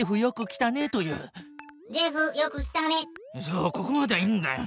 そうここまではいいんだよ。